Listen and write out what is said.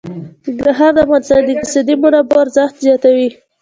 ننګرهار د افغانستان د اقتصادي منابعو ارزښت زیاتوي.